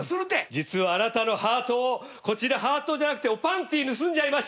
実はあなたのハートをこちらハートじゃなくておパンティー盗んじゃいました！